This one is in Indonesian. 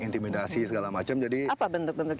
intimidasi segala macam jadi apa bentuk bentuk